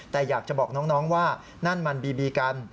แต่อยากจะบอกน้องว่านั่นมันบีบีกัน